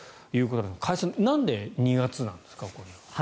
加谷さんなんで２月なんですか？